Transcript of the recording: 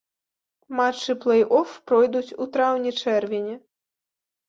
Матчы плэй-оф пройдуць у траўні-чэрвені.